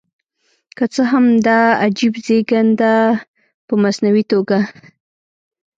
که څه هم دا عجیب زېږېدنه په مصنوعي توګه.